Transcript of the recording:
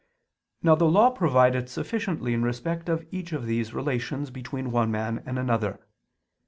Now the Law provided sufficiently in respect of each of these relations between one man and another.